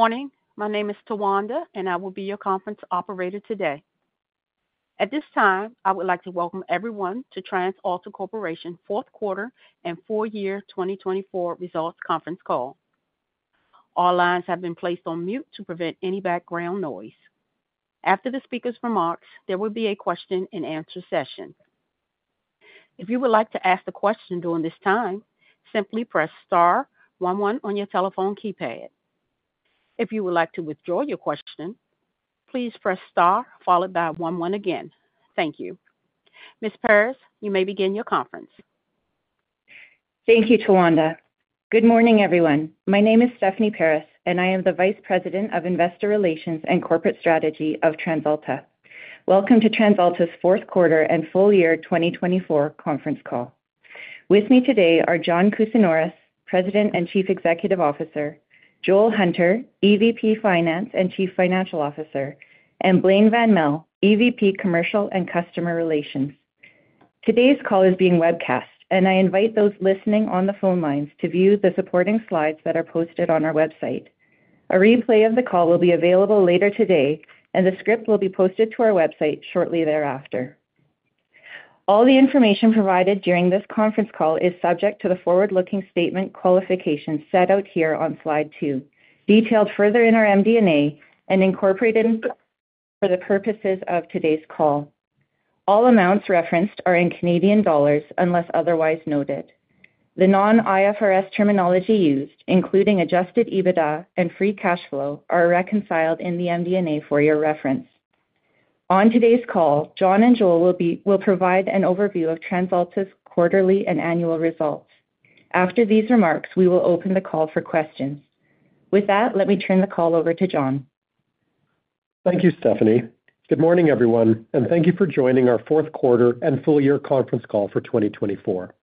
Good morning. My name is Tawanda, and I will be your conference operator today. At this time, I would like to welcome everyone to TransAlta Corporation Q4 and Full Year 2024 Results Conference Call. All lines have been placed on mute to prevent any background noise. After the speaker's remarks, there will be a question-and-answer session. If you would like to ask a question during this time, simply press star one, one on your telephone keypad. If you would like to withdraw your question, please press star followed by one, one again. Thank you. Ms. Paris, you may begin your conference. Thank you, Tawanda. Good morning, everyone. My name is Stephanie Paris, and I am the Vice President of Investor Relations and Corporate Strategy of TransAlta. Welcome to TransAlta's Q4 and Full Year 2024 Conference Call. With me today are John Kousinioris, President and Chief Executive Officer. Joel Hunter, EVP Finance and Chief Financial Officer. And Blain van Melle, EVP Commercial and Customer Relations. Today's call is being webcast, and I invite those listening on the phone lines to view the supporting slides that are posted on our website. A replay of the call will be available later today, and the script will be posted to our website shortly thereafter. All the information provided during this conference call is subject to the forward-looking statement qualifications set out here on slide two, detailed further in our MD&A and incorporated for the purposes of today's call. All amounts referenced are in Canadian dollars unless otherwise noted. The non-IFRS terminology used, including Adjusted EBITDA and Free Cash Flow, are reconciled in the MD&A for your reference. On today's call, John and Joel will provide an overview of TransAlta's quarterly and annual results. After these remarks, we will open the call for questions. With that, let me turn the call over to John. Thank you, Stephanie. Good morning, everyone, and thank you for joining our Q4 and year conference call for 2024.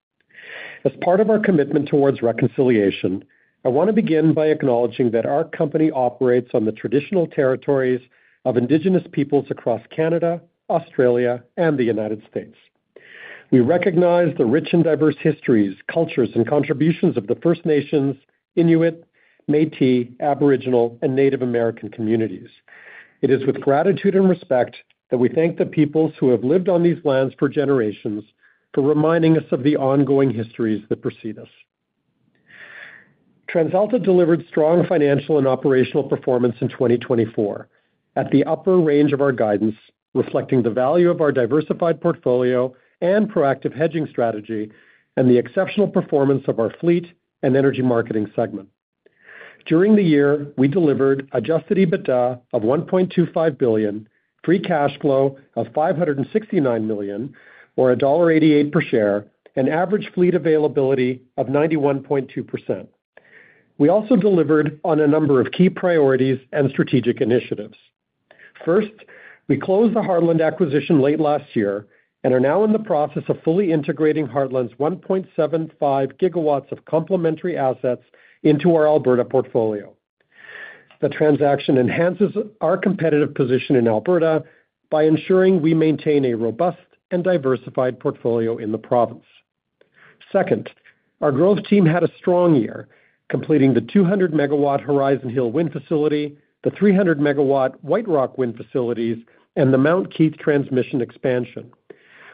As part of our commitment towards reconciliation, I want to begin by acknowledging that our company operates on the traditional territories of Indigenous peoples across Canada, Australia, and the United States. We recognize the rich and diverse histories, cultures, and contributions of the First Nations, Inuit, Métis, Aboriginal, and Native American communities. It is with gratitude and respect that we thank the peoples who have lived on these lands for generations for reminding us of the ongoing histories that precede us. TransAlta delivered strong financial and operational performance in 2024 at the upper range of our guidance, reflecting the value of our diversified portfolio and proactive hedging strategy and the exceptional performance of our fleet and energy marketing segment. During the year, we delivered Adjusted EBITDA of 1.25 billion, free cash flow of 569 million, or dollar 1.88 per share, and average fleet availability of 91.2%. We also delivered on a number of key priorities and strategic initiatives. First, we closed the Heartland acquisition late last year and are now in the process of fully integrating Heartland's 1.75 GW of complementary assets into our Alberta portfolio. The transaction enhances our competitive position in Alberta by ensuring we maintain a robust and diversified portfolio in the province. Second, our growth team had a strong year, completing the 200 MW Horizon Hill Wind Facility, the 300 MW White Rock Wind Facilities, and the Mount Keith transmission expansion.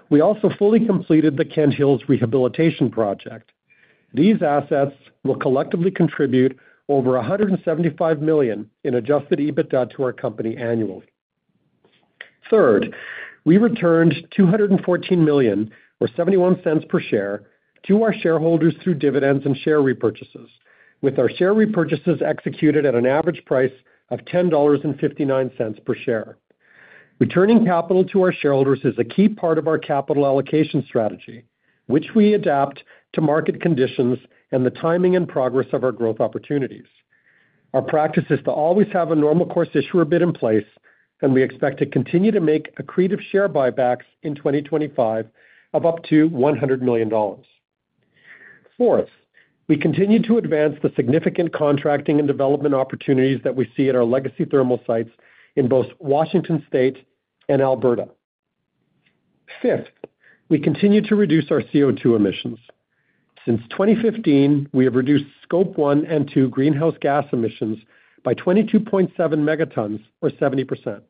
We also fully completed the Kent Hills rehabilitation project. These assets will collectively contribute over 175 million in Adjusted EBITDA to our company annually. Third, we returned 214 million for 0.71 per share to our shareholders through dividends and share repurchases, with our share repurchases executed at an average price of 10.59 dollars per share. Returning capital to our shareholders is a key part of our capital allocation strategy, which we adapt to market conditions and the timing and progress of our growth opportunities. Our practice is to always have a normal-course issuer bid in place, and we expect to continue to make accretive share buybacks in 2025 of up to 100 million dollars. Fourth, we continue to advance the significant contracting and development opportunities that we see at our legacy thermal sites in both Washington State and Alberta. Fifth, we continue to reduce our CO2 emissions. Since 2015, we have reduced Scope 1 and Scope 2 greenhouse gas emissions by 22.7 Mt, or 70%,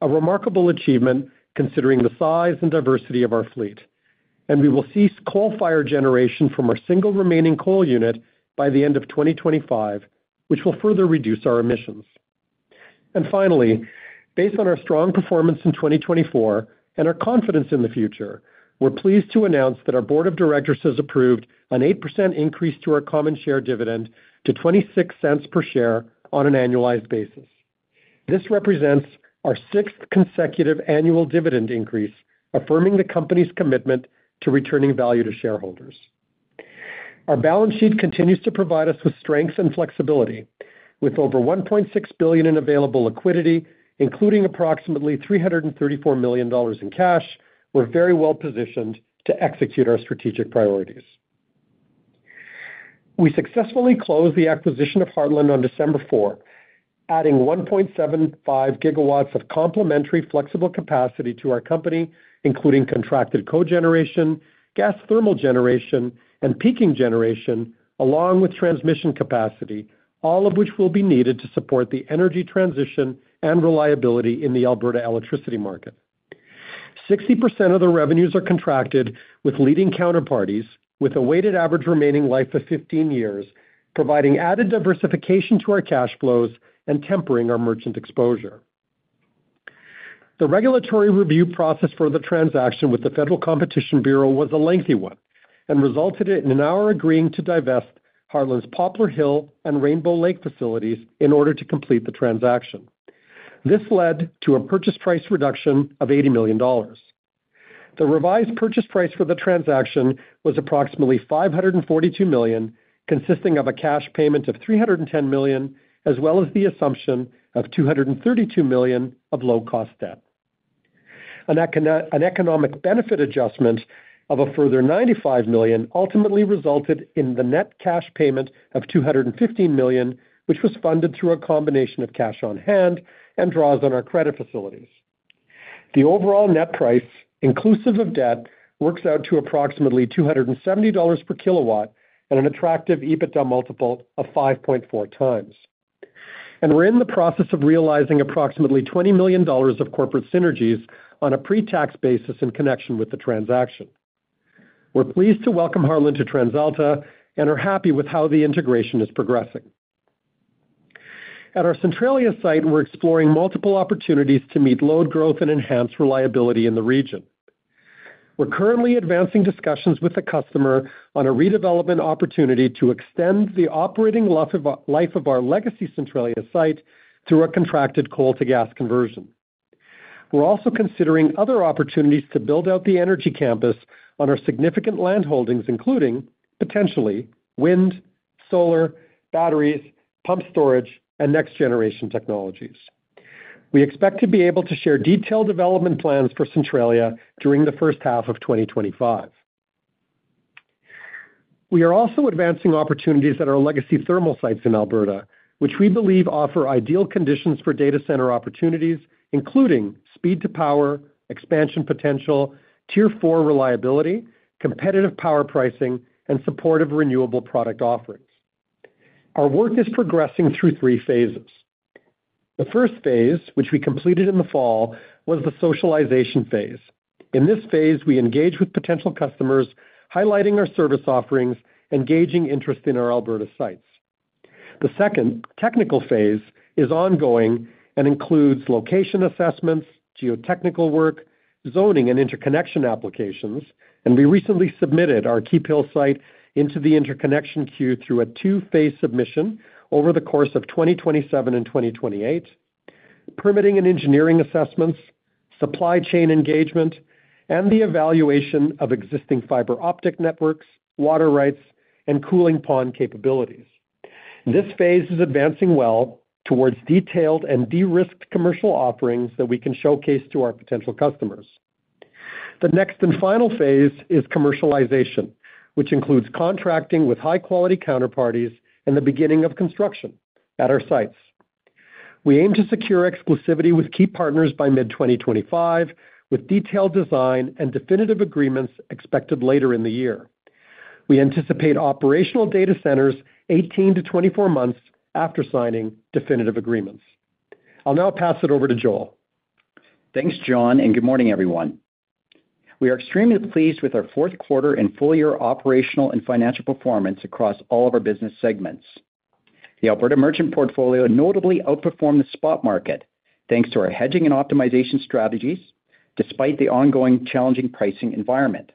a remarkable achievement considering the size and diversity of our fleet. We will cease coal-fired generation from our single remaining coal unit by the end of 2025, which will further reduce our emissions. Finally, based on our strong performance in 2024 and our confidence in the future, we're pleased to announce that our board of directors has approved an 8% increase to our common share dividend to 0.26 per share on an annualized basis. This represents our sixth consecutive annual dividend increase, affirming the company's commitment to returning value to shareholders. Our balance sheet continues to provide us with strength and flexibility. With over 1.6 billion in available liquidity, including approximately 334 million dollars in cash, we're very well positioned to execute our strategic priorities. We successfully closed the acquisition of Heartland on December 4, adding 1.75 GW of complementary flexible capacity to our company, including contracted cogeneration, gas thermal generation, and peaking generation, along with transmission capacity, all of which will be needed to support the energy transition and reliability in the Alberta electricity market. 60% of the revenues are contracted with leading counterparties, with a weighted average remaining life of 15 years, providing added diversification to our cash flows and tempering our merchant exposure. The regulatory review process for the transaction with the Federal Competition Bureau was a lengthy one and resulted in our agreeing to divest Heartland's Poplar Hill and Rainbow Lake facilities in order to complete the transaction. This led to a purchase price reduction of 80 million dollars. The revised purchase price for the transaction was approximately 542 million, consisting of a cash payment of 310 million, as well as the assumption of 232 million of low-cost debt. An economic benefit adjustment of a further 95 million ultimately resulted in the net cash payment of 215 million, which was funded through a combination of cash on hand and draws on our credit facilities. The overall net price, inclusive of debt, works out to approximately 270 dollars per kW and an attractive EBITDA multiple of 5.4x. And we're in the process of realizing approximately 20 million dollars of corporate synergies on a pre-tax basis in connection with the transaction. We're pleased to welcome Heartland to TransAlta and are happy with how the integration is progressing. At our Centralia site, we're exploring multiple opportunities to meet load growth and enhance reliability in the region. We're currently advancing discussions with the customer on a redevelopment opportunity to extend the operating life of our legacy Centralia site through a contracted coal-to-gas conversion. We're also considering other opportunities to build out the energy campus on our significant land holdings, including potentially wind, solar, batteries, pumped storage, and next-generation technologies. We expect to be able to share detailed development plans for Centralia during the first half of 2025. We are also advancing opportunities at our legacy thermal sites in Alberta, which we believe offer ideal conditions for data center opportunities, including speed to power, expansion potential, Tier 4 reliability, competitive power pricing, and supportive renewable product offerings. Our work is progressing through three phases. The first phase, which we completed in the fall, was the socialization phase. In this phase, we engage with potential customers, highlighting our service offerings, and gauging interest in our Alberta sites. The second technical phase is ongoing and includes location assessments, geotechnical work, zoning and interconnection applications, and we recently submitted our Keephills site into the interconnection queue through a two-phase submission over the course of 2027 and 2028, permitting and engineering assessments, supply chain engagement, and the evaluation of existing fiber optic networks, water rights, and cooling pond capabilities. This phase is advancing well towards detailed and de-risked commercial offerings that we can showcase to our potential customers. The next and final phase is commercialization, which includes contracting with high-quality counterparties and the beginning of construction at our sites. We aim to secure exclusivity with key partners by mid-2025, with detailed design and definitive agreements expected later in the year. We anticipate operational data centers 18 months to 24 months after signing definitive agreements. I'll now pass it over to Joel. Thanks, John, and good morning, everyone. We are extremely pleased with our Q4 and full year operational and financial performance across all of our business segments. The Alberta merchant portfolio notably outperformed the spot market thanks to our hedging and optimization strategies, despite the ongoing challenging pricing environment.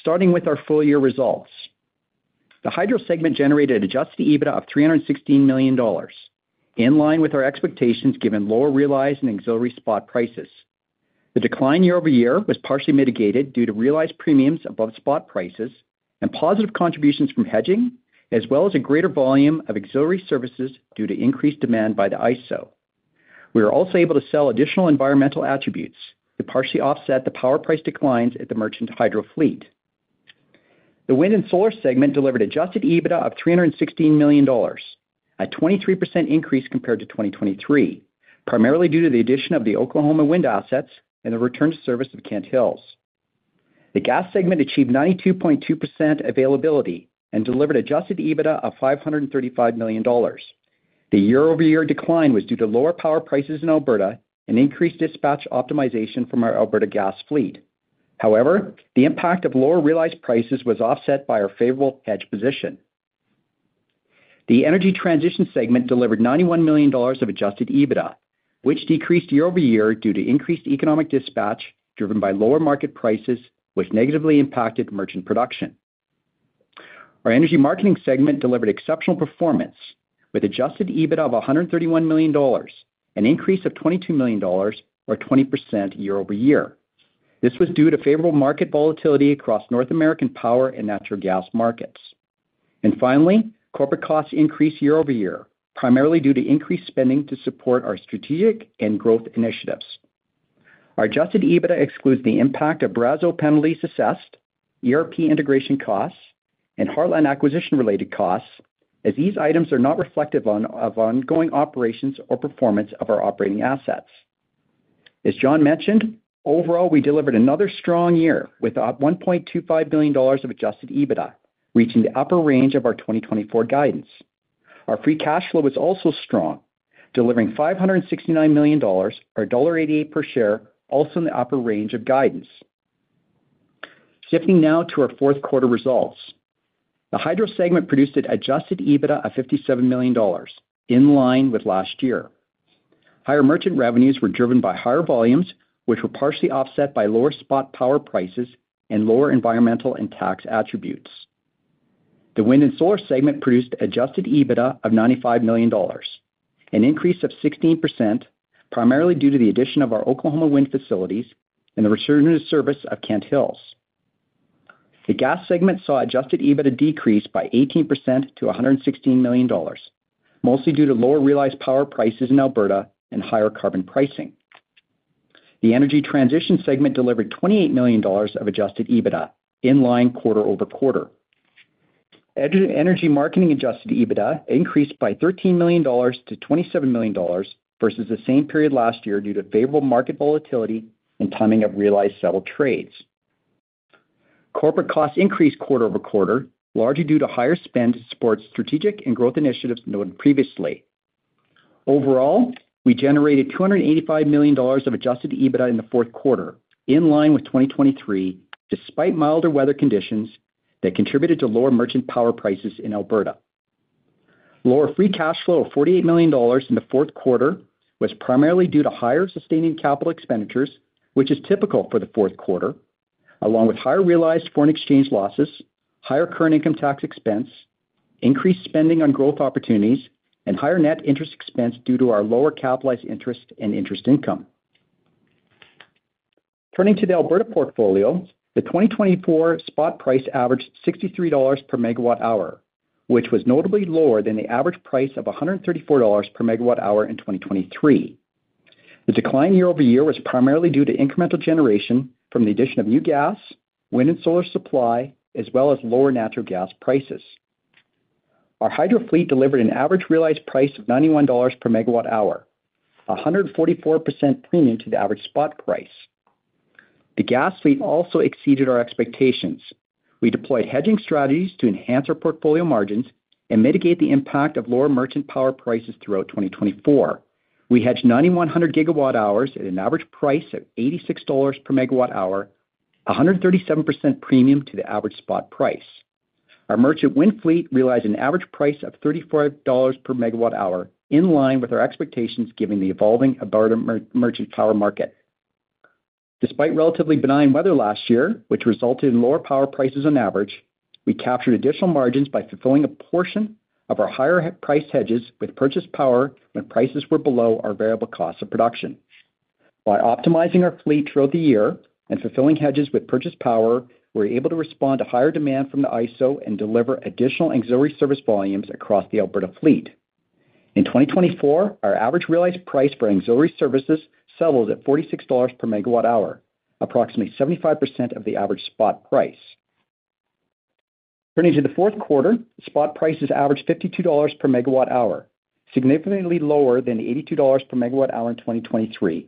Starting with our full year results, the hydro segment generated Adjusted EBITDA of 316 million dollars, in line with our expectations given lower realized and auxiliary spot prices. The decline year-over-year was partially mitigated due to realized premiums above spot prices and positive contributions from hedging, as well as a greater volume of auxiliary services due to increased demand by the ISO. We were also able to sell additional environmental attributes to partially offset the power price declines at the merchant hydro fleet. The wind and solar segment delivered adjusted EBITDA of 316 million dollars, a 23% increase compared to 2023, primarily due to the addition of the Oklahoma wind assets and the return to service of Kent Hills. The gas segment achieved 92.2% availability and delivered adjusted EBITDA of 535 million dollars. The year-over-year decline was due to lower power prices in Alberta and increased dispatch optimization from our Alberta gas fleet. However, the impact of lower realized prices was offset by our favorable hedge position. The energy transition segment delivered 91 million dollars of adjusted EBITDA, which decreased year over year due to increased economic dispatch driven by lower market prices, which negatively impacted merchant production. Our energy marketing segment delivered exceptional performance with adjusted EBITDA of 131 million dollars, an increase of 22 million dollars, or 20% year-over-year. This was due to favorable market volatility across North American power and natural gas markets. Finally, corporate costs increased year-over-year, primarily due to increased spending to support our strategic and growth initiatives. Our Adjusted EBITDA excludes the impact of Brazos penalties assessed, ERP integration costs, and Heartland acquisition-related costs, as these items are not reflective of ongoing operations or performance of our operating assets. As John mentioned, overall, we delivered another strong year with 1.25 billion dollars of Adjusted EBITDA, reaching the upper range of our 2024 guidance. Our free cash flow was also strong, delivering 569 million dollars, or dollar 1.88 per share, also in the upper range of guidance. Shifting now to our Q4 results, the hydro segment produced an Adjusted EBITDA of 57 million dollars, in line with last year. Higher merchant revenues were driven by higher volumes, which were partially offset by lower spot power prices and lower environmental and tax attributes. The wind and solar segment produced Adjusted EBITDA of 95 million dollars, an increase of 16%, primarily due to the addition of our Oklahoma wind facilities and the return to service of Kent Hills. The gas segment saw Adjusted EBITDA decrease by 18% to 116 million dollars, mostly due to lower realized power prices in Alberta and higher carbon pricing. The energy transition segment delivered 28 million dollars of Adjusted EBITDA, in line quarter-over-quarter. Energy marketing Adjusted EBITDA increased by 13 million-27 million dollars versus the same period last year due to favorable market volatility and timing of realized sell trades. Corporate costs increased quarter over quarter, largely due to higher spend to support strategic and growth initiatives noted previously. Overall, we generated 285 million dollars of Adjusted EBITDA in the Q4, in line with 2023, despite milder weather conditions that contributed to lower merchant power prices in Alberta. Lower free cash flow of 48 million dollars in the Q4 was primarily due to higher sustaining capital expenditures, which is typical for the Q4, along with higher realized foreign exchange losses, higher current income tax expense, increased spending on growth opportunities, and higher net interest expense due to our lower capitalized interest and interest income. Turning to the Alberta portfolio, the 2024 spot price averaged 63 dollars/MWh, which was notably lower than the average price of 134 dollars/MWh in 2023. The decline year-over-year was primarily due to incremental generation from the addition of new gas, wind and solar supply, as well as lower natural gas prices. Our hydro fleet delivered an average realized price of 91 dollars/MWh, a 144% premium to the average spot price. The gas fleet also exceeded our expectations. We deployed hedging strategies to enhance our portfolio margins and mitigate the impact of lower merchant power prices throughout 2024. We hedged 9,100 GWh at an average price of 86 dollars/MWh, a 137% premium to the average spot price. Our merchant wind fleet realized an average price of 35 dollars/MWh, in line with our expectations given the evolving Alberta merchant power market. Despite relatively benign weather last year, which resulted in lower power prices on average, we captured additional margins by fulfilling a portion of our higher price hedges with purchased power when prices were below our variable cost of production. By optimizing our fleet throughout the year and fulfilling hedges with purchased power, we were able to respond to higher demand from the ISO and deliver additional auxiliary service volumes across the Alberta fleet. In 2024, our average realized price for auxiliary services settled at 46 dollars per megawatt hour, approximately 75% of the average spot price. Turning to the Q4, spot prices averaged 52 dollars/MWh, significantly lower than 82 dollars/MWh in 2023.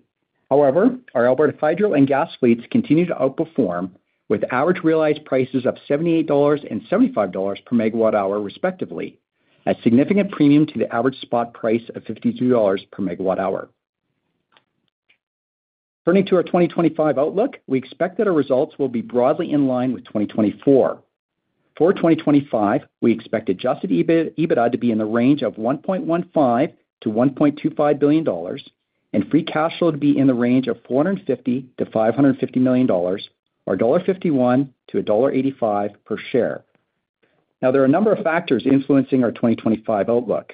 However, our Alberta hydro and gas fleets continued to outperform with average realized prices of 78 dollars/MWh and 75 dollars/MWh, respectively, a significant premium to the average spot price of 52 dollars/MWh. Turning to our 2025 outlook, we expect that our results will be broadly in line with 2024. For 2025, we expect Adjusted EBITDA to be in the range of 1.15-1.25 billion dollars, and Free Cash Flow to be in the range of 450- 550 million dollars, or 1.51-1.85 dollar per share. Now, there are a number of factors influencing our 2025 outlook.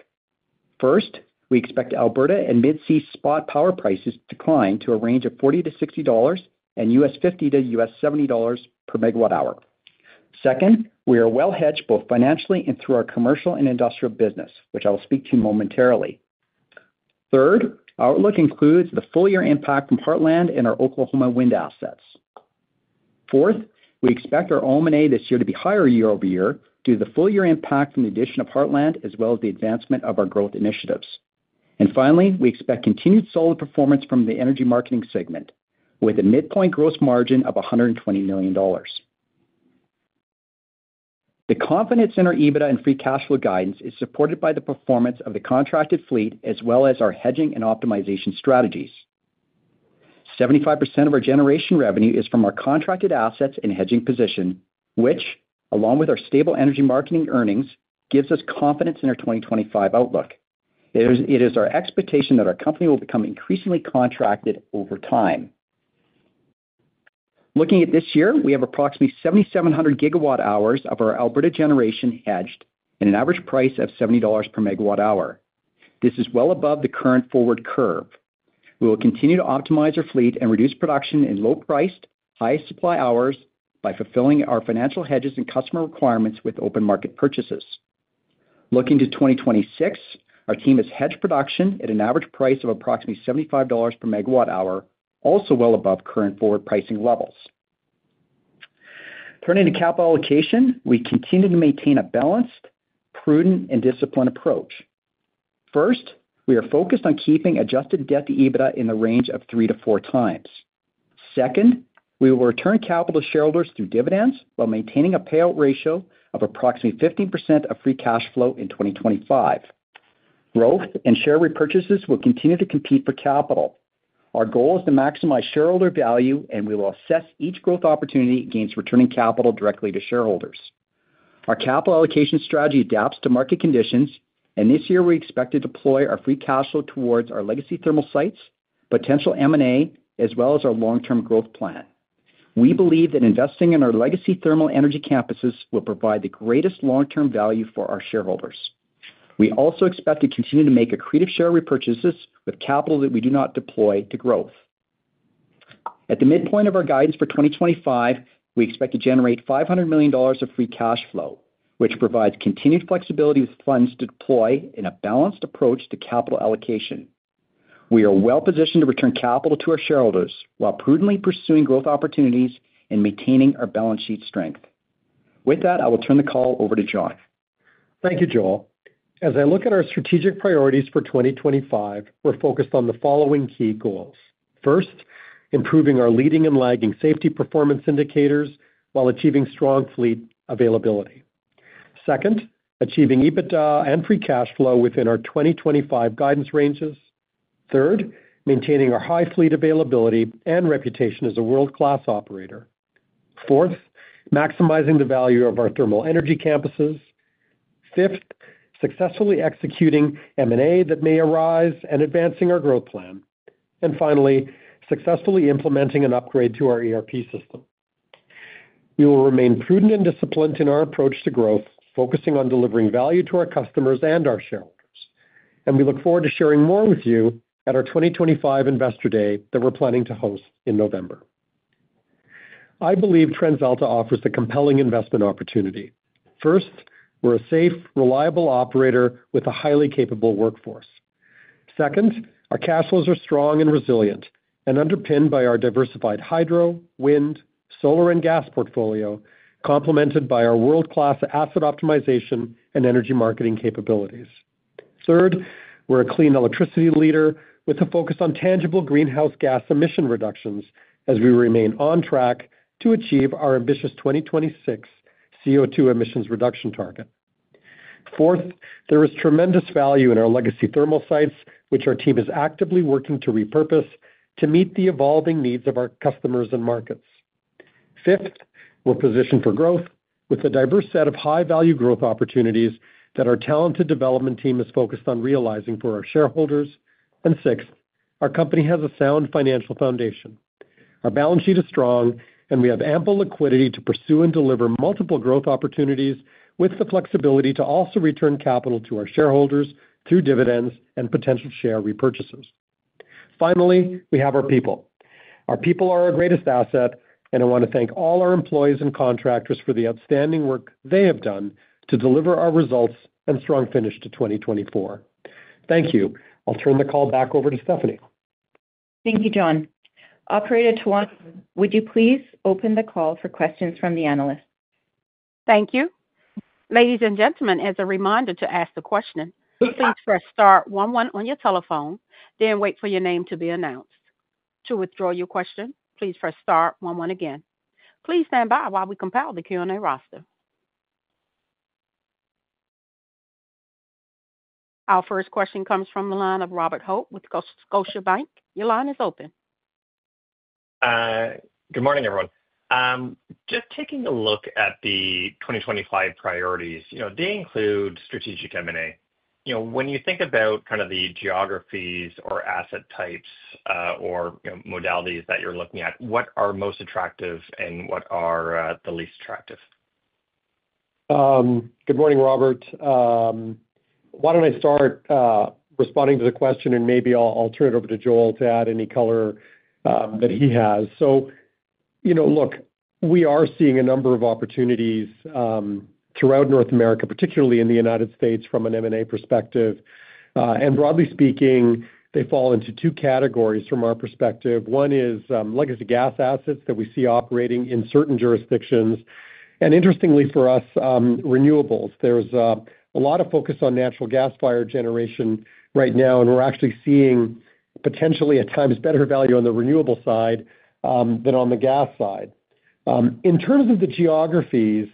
First, we expect Alberta and Mid-C spot power prices to decline to a range of 40-60 dollars and $50/MWh-$70/MWh. Second, we are well hedged both financially and through our commercial and industrial business, which I will speak to momentarily. Third, our outlook includes the full year impact from Heartland and our Oklahoma wind assets. Fourth, we expect our OM&A this year to be higher year-over-year due to the full year impact from the addition of Heartland, as well as the advancement of our growth initiatives. And finally, we expect continued solid performance from the energy marketing segment, with a midpoint gross margin of 120 million dollars. The confidence in our EBITDA and free cash flow guidance is supported by the performance of the contracted fleet, as well as our hedging and optimization strategies. 75% of our generation revenue is from our contracted assets and hedging position, which, along with our stable energy marketing earnings, gives us confidence in our 2025 outlook. It is our expectation that our company will become increasingly contracted over time. Looking at this year, we have approximately 7,700 GWh of our Alberta generation hedged at an average price of 70 dollars/MWh. This is well above the current forward curve. We will continue to optimize our fleet and reduce production in low-priced, high-supply hours by fulfilling our financial hedges and customer requirements with open market purchases. Looking to 2026, our team has hedged production at an average price of approximately 75 dollars/MWh, also well above current forward pricing levels. Turning to capital allocation, we continue to maintain a balanced, prudent, and disciplined approach. First, we are focused on keeping adjusted debt to EBITDA in the range of 3x-4x. Second, we will return capital to shareholders through dividends while maintaining a payout ratio of approximately 15% of free cash flow in 2025. Growth and share repurchases will continue to compete for capital. Our goal is to maximize shareholder value, and we will assess each growth opportunity against returning capital directly to shareholders. Our capital allocation strategy adapts to market conditions, and this year we expect to deploy our free cash flow towards our legacy thermal sites, potential M&A, as well as our long-term growth plan. We believe that investing in our legacy thermal energy campuses will provide the greatest long-term value for our shareholders. We also expect to continue to make accretive share repurchases with capital that we do not deploy to growth. At the midpoint of our guidance for 2025, we expect to generate 500 million dollars of free cash flow, which provides continued flexibility with funds to deploy in a balanced approach to capital allocation. We are well positioned to return capital to our shareholders while prudently pursuing growth opportunities and maintaining our balance sheet strength. With that, I will turn the call over to John. Thank you, Joel. As I look at our strategic priorities for 2025, we're focused on the following key goals. First, improving our leading and lagging safety performance indicators while achieving strong fleet availability. Second, achieving EBITDA and free cash flow within our 2025 guidance ranges. Third, maintaining our high fleet availability and reputation as a world-class operator. Fourth, maximizing the value of our thermal energy campuses. Fifth, successfully executing M&A that may arise and advancing our growth plan. And finally, successfully implementing an upgrade to our ERP system. We will remain prudent and disciplined in our approach to growth, focusing on delivering value to our customers and our shareholders. And we look forward to sharing more with you at our 2025 Investor Day that we're planning to host in November. I believe TransAlta offers a compelling investment opportunity. First, we're a safe, reliable operator with a highly capable workforce. Second, our cash flows are strong and resilient and underpinned by our diversified hydro, wind, solar, and gas portfolio, complemented by our world-class asset optimization and energy marketing capabilities. Third, we're a clean electricity leader with a focus on tangible greenhouse gas emission reductions as we remain on track to achieve our ambitious 2026 CO2 emissions reduction target. Fourth, there is tremendous value in our legacy thermal sites, which our team is actively working to repurpose to meet the evolving needs of our customers and markets. Fifth, we're positioned for growth with a diverse set of high-value growth opportunities that our talented development team is focused on realizing for our shareholders. And sixth, our company has a sound financial foundation. Our balance sheet is strong, and we have ample liquidity to pursue and deliver multiple growth opportunities with the flexibility to also return capital to our shareholders through dividends and potential share repurchases. Finally, we have our people. Our people are our greatest asset, and I want to thank all our employees and contractors for the outstanding work they have done to deliver our results and strong finish to 2024. Thank you. I'll turn the call back over to Stephanie. Thank you, John. Operator Tawanda, would you please open the call for questions from the analysts? Thank you. Ladies and gentlemen, as a reminder to ask the question, please press star one, one on your telephone, then wait for your name to be announced. To withdraw your question, please press star one, one again. Please stand by while we compile the Q&A roster. Our first question comes from the line of Robert Hope with Scotiabank. Your line is open. Good morning, everyone. Just taking a look at the 2025 priorities, they include strategic M&A. When you think about kind of the geographies or asset types or modalities that you're looking at, what are most attractive and what are the least attractive? Good morning, Robert. Why don't I start responding to the question, and maybe I'll turn it over to Joel to add any color that he has. So, look, we are seeing a number of opportunities throughout North America, particularly in the United States from an M&A perspective. And broadly speaking, they fall into two categories from our perspective. One is legacy gas assets that we see operating in certain jurisdictions. And interestingly for us, renewables. There's a lot of focus on natural gas-fired generation right now, and we're actually seeing potentially at times better value on the renewable side than on the gas side. In terms of the geographies,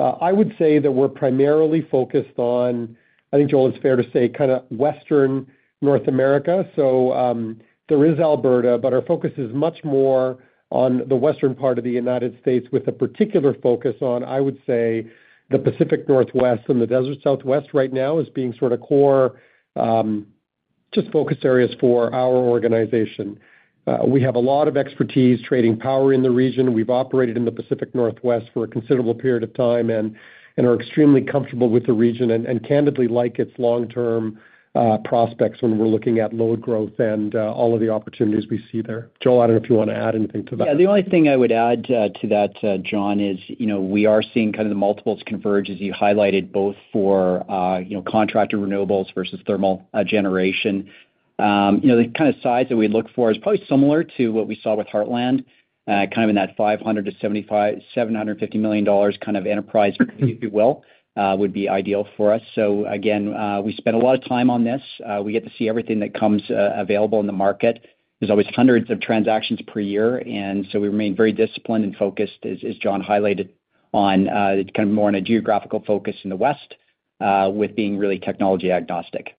I would say that we're primarily focused on. I think it's fair to say, kind of Western North America. So there is Alberta, but our focus is much more on the western part of the United States, with a particular focus on, I would say, the Pacific Northwest and the Desert Southwest right now as being sort of core just focus areas for our organization. We have a lot of expertise, trading power in the region. We've operated in the Pacific Northwest for a considerable period of time and are extremely comfortable with the region and candidly like its long-term prospects when we're looking at load growth and all of the opportunities we see there. Joel, I don't know if you want to add anything to that. Yeah, the only thing I would add to that, John, is we are seeing kind of the multiples converge, as you highlighted, both for contracted renewables versus thermal generation. The kind of size that we look for is probably similar to what we saw with Heartland, kind of in that 500-750 million dollars kind of enterprise, if you will, would be ideal for us. So again, we spend a lot of time on this. We get to see everything that comes available in the market. There's always hundreds of transactions per year. And so we remain very disciplined and focused, as John highlighted, on kind of more on a geographical focus in the West with being really technology agnostic.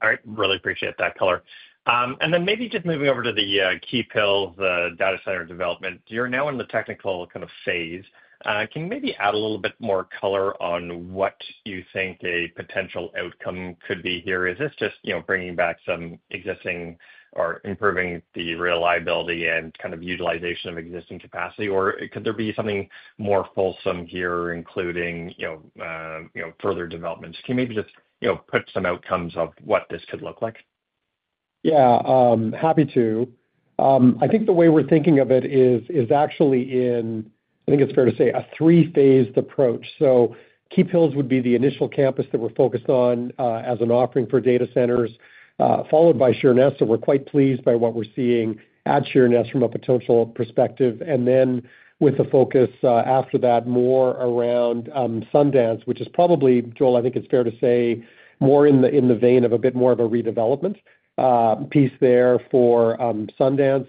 All right. Really appreciate that color. And then maybe just moving over to the Keephills data center development. You're now in the technical kind of phase. Can you maybe add a little bit more color on what you think a potential outcome could be here? Is this just bringing back some existing or improving the reliability and kind of utilization of existing capacity? Or could there be something more fulsome here, including further developments? Can you maybe just put some outcomes of what this could look like? Yeah, happy to. I think the way we're thinking of it is actually in, I think it's fair to say, a three-phased approach. So Keephills would be the initial campus that we're focused on as an offering for data centers, followed by Sheerness. So we're quite pleased by what we're seeing at Sheerness from a potential perspective. And then with the focus after that, more around Sundance, which is probably, Joel, I think it's fair to say, more in the vein of a bit more of a redevelopment piece there for Sundance.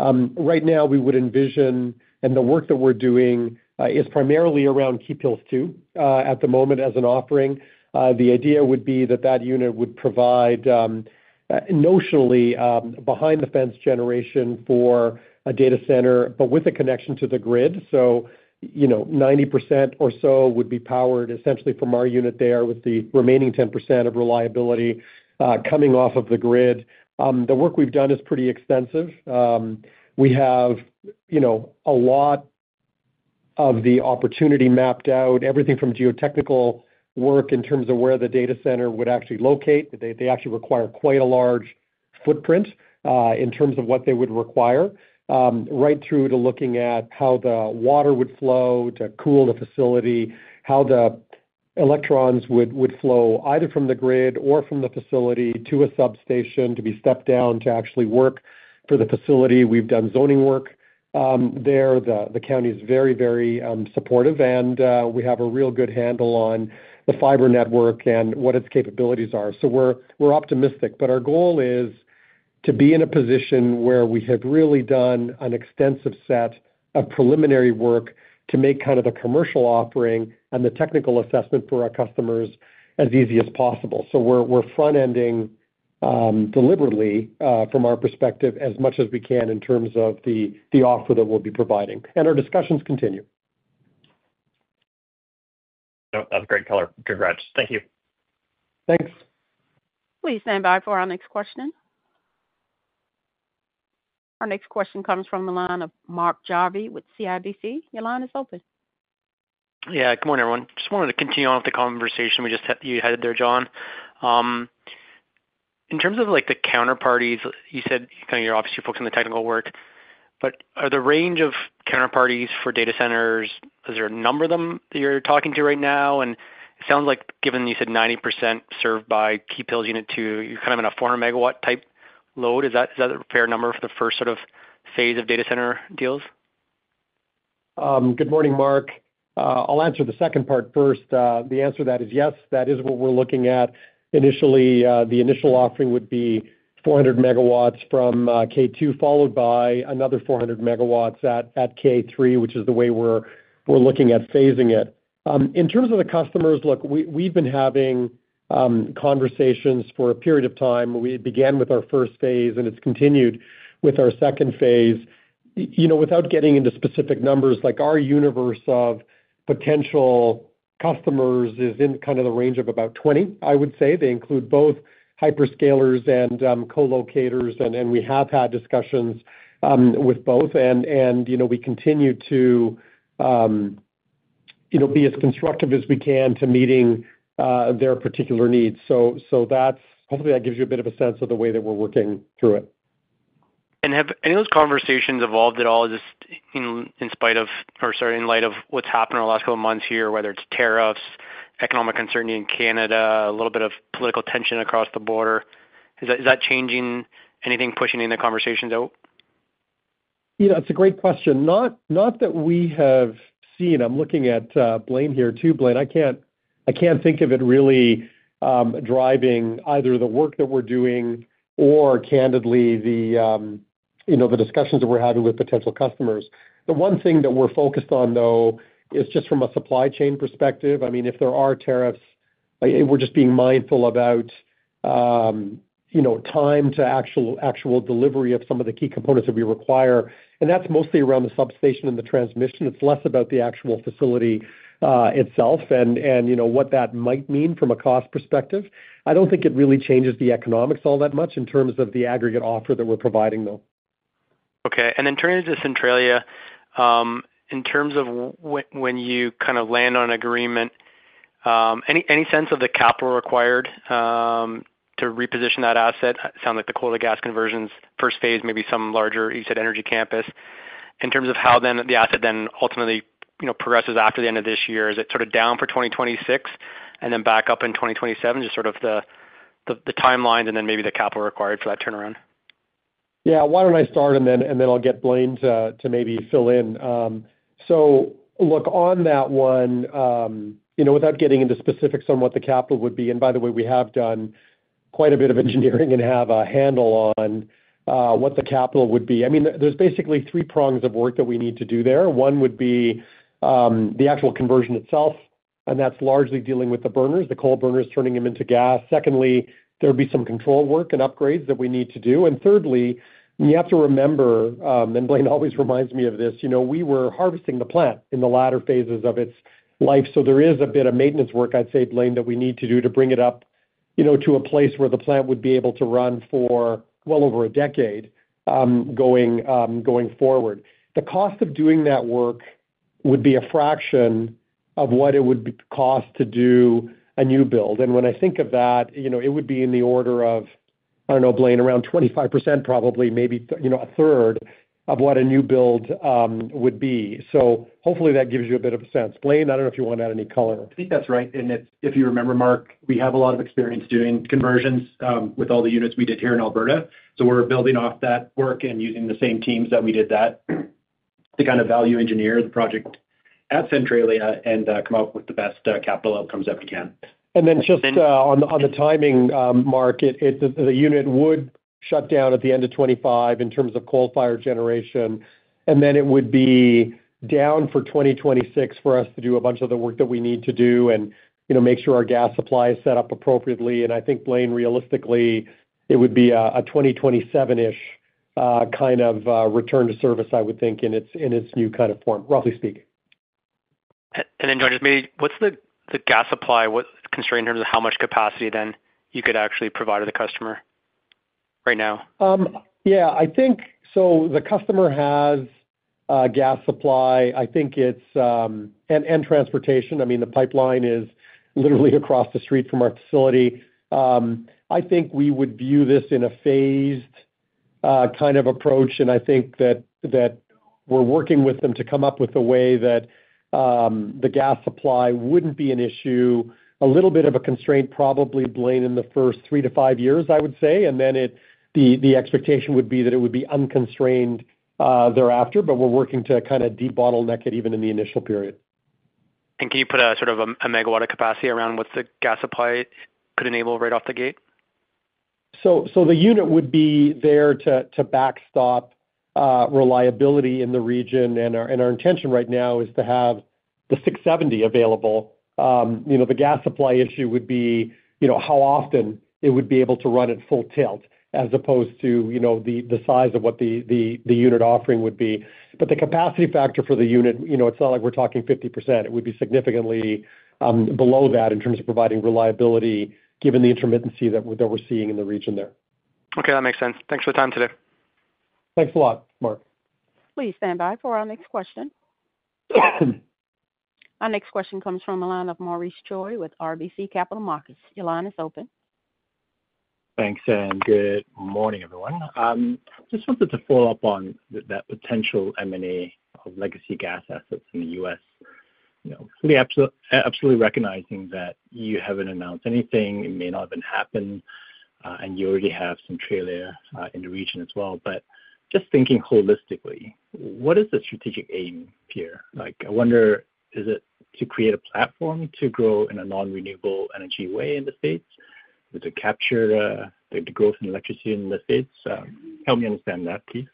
Right now, we would envision, and the work that we're doing is primarily around Keephills 2 at the moment as an offering. The idea would be that that unit would provide notionally behind-the-fence generation for a data center, but with a connection to the grid. 90% or so would be powered essentially from our unit there, with the remaining 10% of reliability coming off of the grid. The work we've done is pretty extensive. We have a lot of the opportunity mapped out, everything from geotechnical work in terms of where the data center would actually locate. They actually require quite a large footprint in terms of what they would require, right through to looking at how the water would flow to cool the facility, how the electrons would flow either from the grid or from the facility to a substation to be stepped down to actually work for the facility. We've done zoning work there. The county is very, very supportive, and we have a real good handle on the fiber network and what its capabilities are. So we're optimistic, but our goal is to be in a position where we have really done an extensive set of preliminary work to make kind of the commercial offering and the technical assessment for our customers as easy as possible. So we're front-ending deliberately, from our perspective, as much as we can in terms of the offer that we'll be providing. And our discussions continue. That's great color. Congrats. Thank you. Thanks. Please stand by for our next question. Our next question comes from the line of Mark Jarvi with CIBC. Your line is open. Yeah, good morning, everyone. Just wanted to continue on with the conversation you had there, John. In terms of the counterparties, you said kind of you're obviously focusing on the technical work, but are the range of counterparties for data centers, is there a number of them that you're talking to right now? And it sounds like, given you said 90% served by Keephills Unit 2, you're kind of in a 400 MW type load. Is that a fair number for the first sort of phase of data center deals? Good morning, Mark. I'll answer the second part first. The answer to that is yes. That is what we're looking at. Initially, the initial offering would be 400 MW from K2, followed by another 400 MW at K3, which is the way we're looking at phasing it. In terms of the customers, look, we've been having conversations for a period of time. We began with our first phase, and it's continued with our second phase. Without getting into specific numbers, our universe of potential customers is in kind of the range of about 20, I would say. They include both hyperscalers and colocators, and we have had discussions with both. And we continue to be as constructive as we can to meeting their particular needs. So hopefully, that gives you a bit of a sense of the way that we're working through it. Have any of those conversations evolved at all just in spite of, or sorry, in light of what's happened in the last couple of months here, whether it's tariffs, economic uncertainty in Canada, a little bit of political tension across the border? Is that changing anything, pushing any of the conversations out? It's a great question. Not that we have seen. I'm looking at Blain here too. Blain, I can't think of it really driving either the work that we're doing or, candidly, the discussions that we're having with potential customers. The one thing that we're focused on, though, is just from a supply chain perspective. I mean, if there are tariffs, we're just being mindful about time to actual delivery of some of the key components that we require. And that's mostly around the substation and the transmission. It's less about the actual facility itself and what that might mean from a cost perspective. I don't think it really changes the economics all that much in terms of the aggregate offer that we're providing, though. Okay. And then turning to Centralia, in terms of when you kind of land on an agreement, any sense of the capital required to reposition that asset? It sounds like the coal to gas conversions, first phase, maybe some larger, you said, energy campus. In terms of how then the asset then ultimately progresses after the end of this year, is it sort of down for 2026 and then back up in 2027, just sort of the timelines and then maybe the capital required for that turnaround? Yeah, why don't I start, and then I'll get Blain to maybe fill in. So look, on that one, without getting into specifics on what the capital would be, and by the way, we have done quite a bit of engineering and have a handle on what the capital would be. I mean, there's basically three prongs of work that we need to do there. One would be the actual conversion itself, and that's largely dealing with the burners, the coal burners turning them into gas. Secondly, there would be some control work and upgrades that we need to do, and thirdly, you have to remember, and Blain always reminds me of this, we were harvesting the plant in the latter phases of its life. So there is a bit of maintenance work, I'd say, Blain, that we need to do to bring it up to a place where the plant would be able to run for well over a decade going forward. The cost of doing that work would be a fraction of what it would cost to do a new build. And when I think of that, it would be in the order of, I don't know, Blain, around 25%, probably maybe a third of what a new build would be. So hopefully, that gives you a bit of a sense. Blain, I don't know if you want to add any color. I think that's right. And if you remember, Mark, we have a lot of experience doing conversions with all the units we did here in Alberta. So we're building off that work and using the same teams that we did that to kind of value engineer the project at Centralia and come up with the best capital outcomes that we can. And then just on the timing, Mark, the unit would shut down at the end of 2025 in terms of coal-fired generation, and then it would be down for 2026 for us to do a bunch of the work that we need to do and make sure our gas supply is set up appropriately. And I think, Blain, realistically, it would be a 2027-ish kind of return to service, I would think, in its new kind of form, roughly speaking. John, just maybe what's the gas supply constraint in terms of how much capacity then you could actually provide to the customer right now? Yeah. So the customer has gas supply. I think it's and transportation. I mean, the pipeline is literally across the street from our facility. I think we would view this in a phased kind of approach, and I think that we're working with them to come up with a way that the gas supply wouldn't be an issue, a little bit of a constraint, probably, Blain, in the first three to five years, I would say. And then the expectation would be that it would be unconstrained thereafter, but we're working to kind of de-bottleneck it even in the initial period. Can you put a sort of a megawatt of capacity around what the gas supply could enable right off the gate? So the unit would be there to backstop reliability in the region, and our intention right now is to have the 670 MW available. The gas supply issue would be how often it would be able to run at full tilt as opposed to the size of what the unit offering would be. But the capacity factor for the unit, it's not like we're talking 50%. It would be significantly below that in terms of providing reliability given the intermittency that we're seeing in the region there. Okay, that makes sense. Thanks for the time today. Thanks a lot, Mark. Please stand by for our next question. Our next question comes from the line of Maurice Choy with RBC Capital Markets. Your line is open. Thanks, and good morning, everyone. I just wanted to follow up on that potential M&A of legacy gas assets in the U.S. Absolutely recognizing that you haven't announced anything. It may not have even happened, and you already have Centralia in the region as well. But just thinking holistically, what is the strategic aim here? I wonder, is it to create a platform to grow in a non-renewable energy way in the States? Is it to capture the growth in electricity in the States? Help me understand that, please.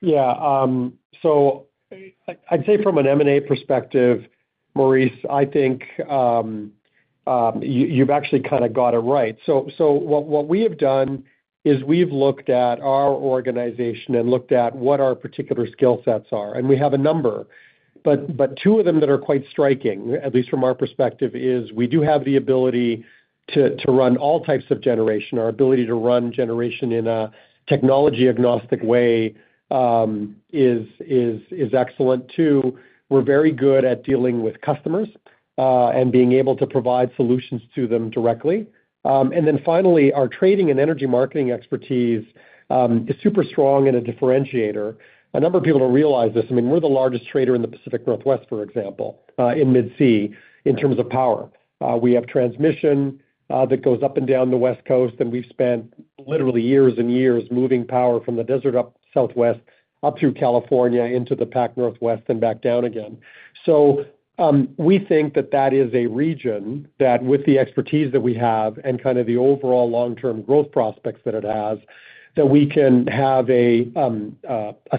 Yeah. So I'd say from an M&A perspective, Maurice, I think you've actually kind of got it right. So what we have done is we've looked at our organization and looked at what our particular skill sets are. And we have a number, but two of them that are quite striking, at least from our perspective, is we do have the ability to run all types of generation. Our ability to run generation in a technology-agnostic way is excellent too. We're very good at dealing with customers and being able to provide solutions to them directly. And then finally, our trading and energy marketing expertise is super strong and a differentiator. A number of people don't realize this. I mean, we're the largest trader in the Pacific Northwest, for example, in Mid-C in terms of power. We have transmission that goes up and down the West Coast, and we've spent literally years and years moving power from the desert up southwest up through California into the Pacific Northwest and back down again, so we think that that is a region that, with the expertise that we have and kind of the overall long-term growth prospects that it has, that we can have a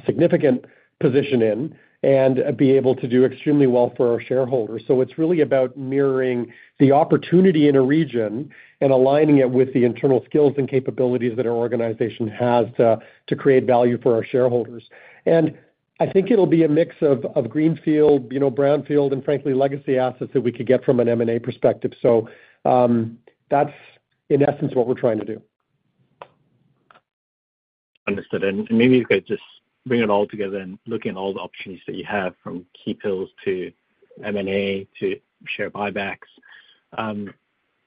significant position in and be able to do extremely well for our shareholders, so it's really about mirroring the opportunity in a region and aligning it with the internal skills and capabilities that our organization has to create value for our shareholders, and I think it'll be a mix of greenfield, brownfield, and frankly, legacy assets that we could get from an M&A perspective, so that's, in essence, what we're trying to do. Understood, and maybe you could just bring it all together and look at all the opportunities that you have from Keephills to M&A to share buybacks.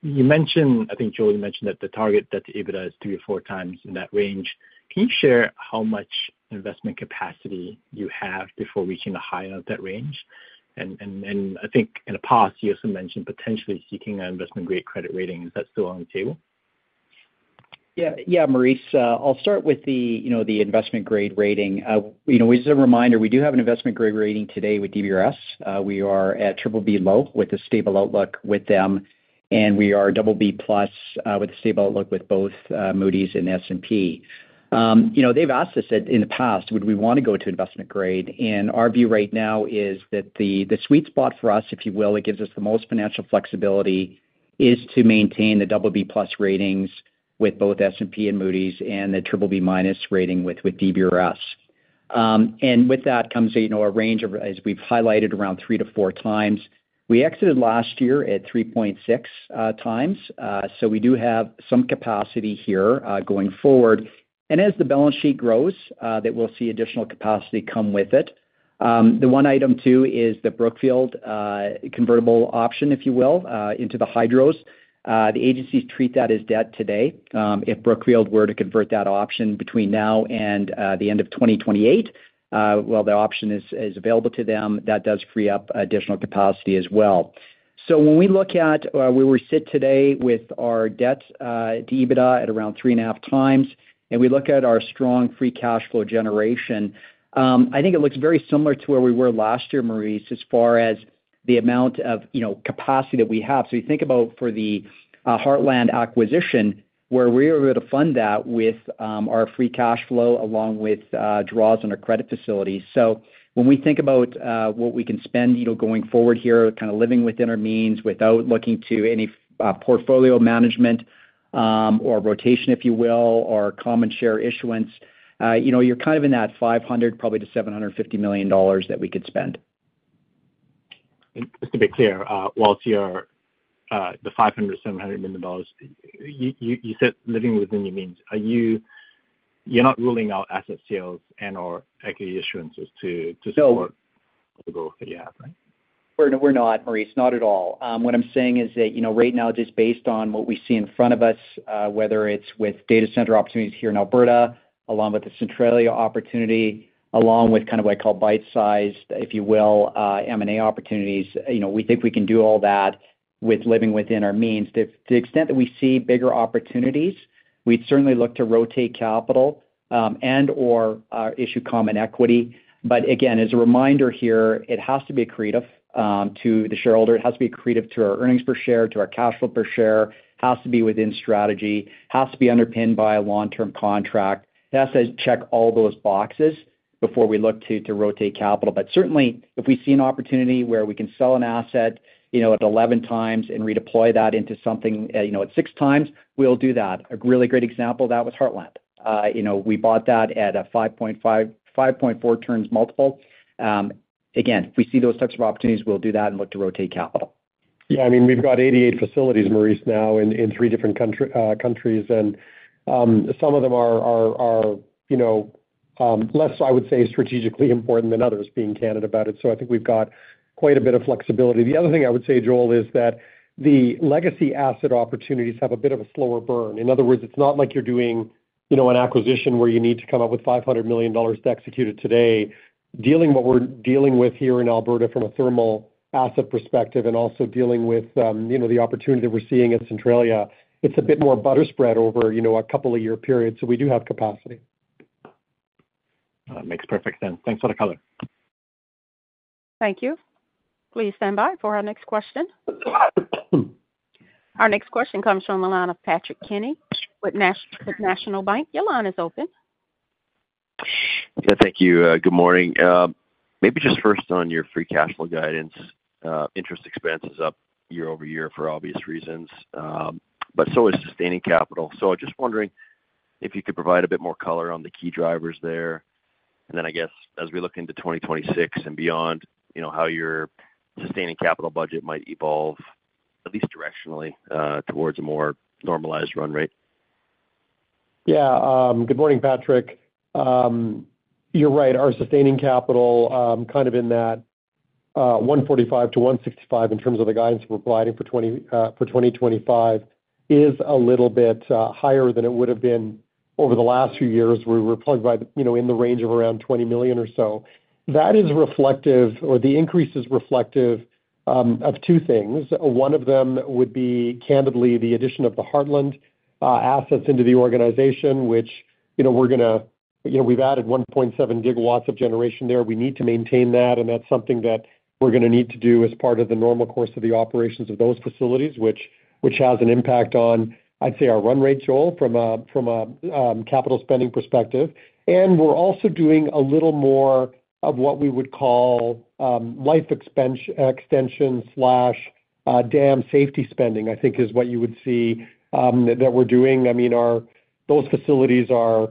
You mentioned, I think Joel mentioned that the target debt to EBITDA is 3x or 4x in that range. Can you share how much investment capacity you have before reaching a higher of that range? And I think in the past, you also mentioned potentially seeking an investment-grade credit rating. Is that still on the table? Yeah, Maurice. I'll start with the investment-grade rating. Just a reminder, we do have an investment-grade rating today with DBRS. We are at BBB low with a stable outlook with them, and we are BBB plus with a stable outlook with both Moody's and S&P. They've asked us in the past, would we want to go to investment-grade? And our view right now is that the sweet spot for us, if you will, it gives us the most financial flexibility, is to maintain the BBB plus ratings with both S&P and Moody's and the BBB minus rating with DBRS. And with that comes a range of, as we've highlighted, around 3x-4x. We exited last year at 3.6x. So we do have some capacity here going forward. And as the balance sheet grows, that we'll see additional capacity come with it. The one item too is the Brookfield convertible option, if you will, into the hydros. The agencies treat that as debt today. If Brookfield were to convert that option between now and the end of 2028, while the option is available to them, that does free up additional capacity as well. So, when we look at where we sit today with our debt to EBITDA at around 3.5x, and we look at our strong free cash flow generation, I think it looks very similar to where we were last year, Maurice, as far as the amount of capacity that we have. So, you think about for the Heartland acquisition, where we were able to fund that with our free cash flow along with draws on our credit facilities. So when we think about what we can spend going forward here, kind of living within our means without looking to any portfolio management or rotation, if you will, or common share issuance, you're kind of in that 500-750 million dollars that we could spend. Just to be clear, while it's your 500-700 million dollars, you said living within your means. You're not ruling out asset sales and/or equity issuance to support the goal that you have, right? We're not, Maurice. Not at all. What I'm saying is that right now, just based on what we see in front of us, whether it's with data center opportunities here in Alberta along with the Centralia opportunity, along with kind of what I call bite-sized, if you will, M&A opportunities, we think we can do all that with living within our means. To the extent that we see bigger opportunities, we'd certainly look to rotate capital and/or issue common equity. But again, as a reminder here, it has to be accretive to the shareholder. It has to be accretive to our earnings per share, to our cash flow per share. It has to be within strategy. It has to be underpinned by a long-term contract. It has to check all those boxes before we look to rotate capital. But certainly, if we see an opportunity where we can sell an asset at 11x and redeploy that into something at 6x, we'll do that. A really great example of that was Heartland. We bought that at a 5.4 turns multiple. Again, if we see those types of opportunities, we'll do that and look to rotate capital. Yeah. I mean, we've got 88 facilities, Maurice, now in three different countries, and some of them are less, I would say, strategically important than others, being candid about it. So I think we've got quite a bit of flexibility. The other thing I would say, Joel, is that the legacy asset opportunities have a bit of a slower burn. In other words, it's not like you're doing an acquisition where you need to come up with 500 million dollars to execute it today. Dealing with what we're dealing with here in Alberta from a thermal asset perspective and also dealing with the opportunity that we're seeing at Centralia, it's a bit more butter spread over a couple-year period. So we do have capacity. That makes perfect sense. Thanks for the color. Thank you. Please stand by for our next question. Our next question comes from the line of Patrick Kenny with National Bank. Your line is open. Yeah. Thank you. Good morning. Maybe just first on your free cash flow guidance. Interest expenses up year over year for obvious reasons, but so is sustaining capital. So I'm just wondering if you could provide a bit more color on the key drivers there. And then I guess as we look into 2026 and beyond, how your sustaining capital budget might evolve, at least directionally, towards a more normalized run rate. Yeah. Good morning, Patrick. You're right. Our sustaining capital, kind of in that 145-165 million in terms of the guidance we're providing for 2025, is a little bit higher than it would have been over the last few years. We were probably in the range of around 20 million or so. That is reflective, or the increase is reflective of two things. One of them would be, candidly, the addition of the Heartland assets into the organization, which we've added 1.7 GW of generation there. We need to maintain that, and that's something that we're going to need to do as part of the normal course of the operations of those facilities, which has an impact on, I'd say, our run rate, Joel, from a capital spending perspective. We're also doing a little more of what we would call life extension/dam safety spending, I think, is what you would see that we're doing. I mean, those facilities are